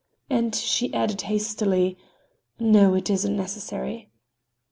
And she added hastily: "No, it isn't necessary."